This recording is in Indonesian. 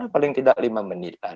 paling tidak lima menit lah